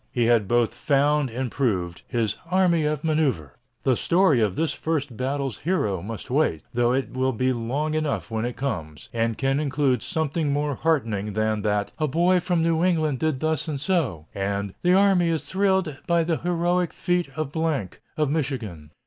He had both found and proved his "army of manœuvre." The story of this first battle's heroes must wait, though it will be long enough when it comes, and can include something more heartening than that "a boy from New England did thus and so," and "the army is thrilled by the heroic feat of of Michigan."